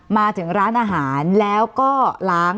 มาถึงร้านอาหารแล้วก็ล้าง